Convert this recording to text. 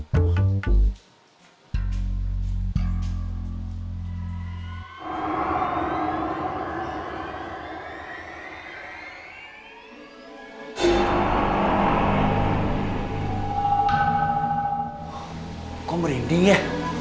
kok merinding ya